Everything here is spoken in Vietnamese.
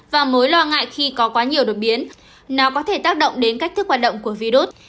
và mối lo ngại khi có quá nhiều đột biến nó có thể tác động đến cách thức hoạt động của virus